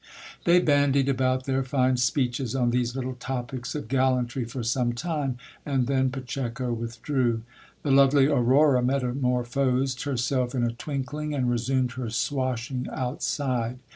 They bandied about their fine speeches on these little topics of gallantry for some time, and then Pacheco withdrew. The lovely Aurora metamorphosed herself in a twinkling, and resumed her swashing outside.